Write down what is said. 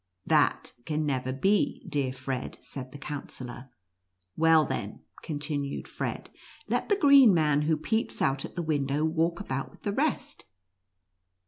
" That can never be, dear Fred," said the Counsellor. " Well then," continued Frederic, " let the green man who peeps out at the window walk about with the rest."